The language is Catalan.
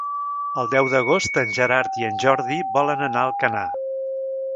El deu d'agost en Gerard i en Jordi volen anar a Alcanar.